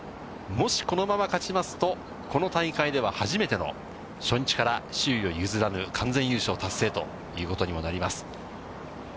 もしこのまま勝ちますと、この大会では初めての、初日から首位を譲らぬ完全優勝達成ということにもなります。